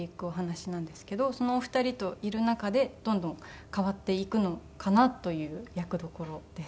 そのお二人といる中でどんどん変わっていくのかなという役どころです。